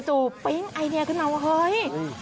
จู่ปริ้งไอเดียขึ้นแล้วเฮ้ย